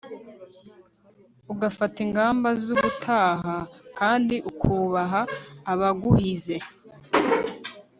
ugafata ingamba z'ubutaha kandi ukubaha abaguhize